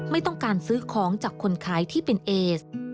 ไม่ต้องการซื้อของจากคนขายที่เป็นเอส